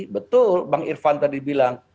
betul bang irvan tadi bilang